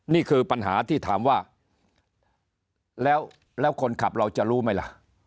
นี่คือปัญหาที่ถามว่าแล้วคนขับเราจะรู้ไหมล่ะ